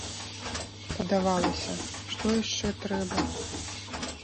Падавалася, што яшчэ трэба?